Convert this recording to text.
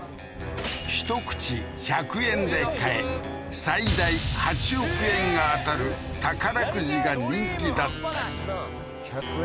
一口１００円で買え最大８億円が当たる宝くじが人気だったり１００円？